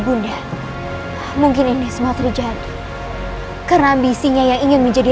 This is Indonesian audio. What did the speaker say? bunda mungkin ini semua terjadi karena bisinya yang ingin menjadi